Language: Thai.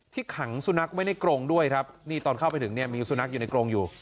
ขังสุนัขไว้ในกรงด้วยครับนี่ตอนเข้าไปถึงเนี่ยมีสุนัขอยู่ในกรงอยู่